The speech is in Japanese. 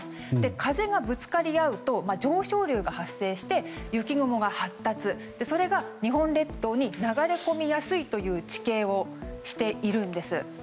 風がぶつかり合うと上昇流が発生して雪雲が発達、それが日本列島に流れ込みやすいという地形をしているんです。